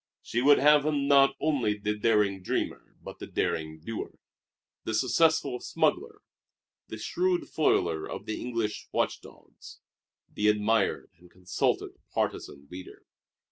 She would have him not only the daring dreamer but the daring doer the successful smuggler, the shrewd foiler of the English watch dogs, the admired and consulted partisan leader.